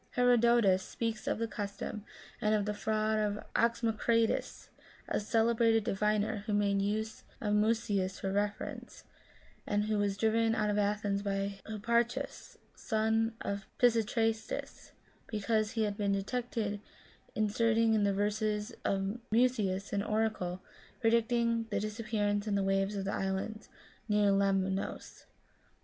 Herodotus speaks of the custom, and of the fraud of Oxoma critus, a celebrated diviner, who made use of Musoeus for reference, and who was driven out of Athens by Hipparchus, son of Pisistratus, because he had been detected inserting in the verses of Musoeus an oracle predicting the disappearance in the waves of the islands near Lemnos.